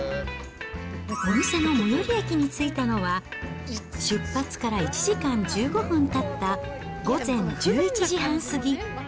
お店の最寄り駅についたのは、出発から１時間１５分たった午前１１時半過ぎ。